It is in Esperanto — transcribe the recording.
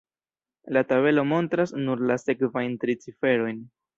La tabelo montras nur la sekvajn tri ciferojn.